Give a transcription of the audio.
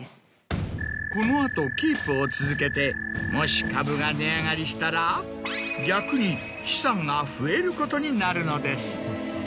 この後キープを続けてもし株が値上がりしたら逆に資産が増えることになるのです。